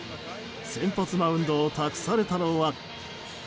先発マウンドを託されたのは。